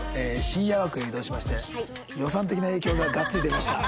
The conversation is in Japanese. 深夜枠へ移動しまして予算的な影響ががっつり出ました。